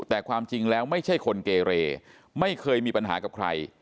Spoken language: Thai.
แต่ความจริงแล้วไม่ใช่คนเกเรไม่เคยมีปัญหากับใคร